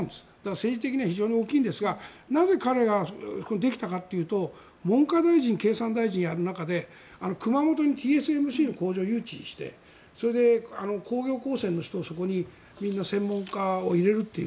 政治的には非常に大きいんですがなぜ彼ができたかというと文科大臣、経産大臣をやる中に熊本にＴＳＭＣの工場を誘致してそれで、工業高専の人をみんな専門家を入れるという。